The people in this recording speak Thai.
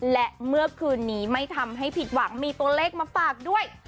และเมื่อคืนนี้ไม่ทำให้ผิดหวังมีตัวเลขมาฝากด้วย